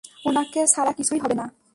ওনাকে ছাড়া কিছুই হবে না।